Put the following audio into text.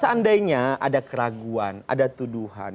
seandainya ada keraguan ada tuduhan